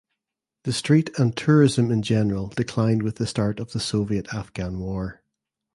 The street and tourism in general declined with the start of the Soviet–Afghan War.